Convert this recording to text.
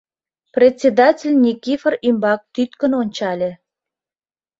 — председатель Никифор ӱмбак тӱткын ончале.